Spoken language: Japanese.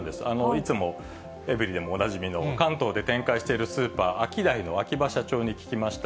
いつもエブリィでもおなじみの関東で展開しているスーパーアキダイの秋葉社長に聞きました。